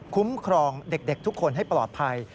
ครองเด็กทุกคนให้ปลอดภัย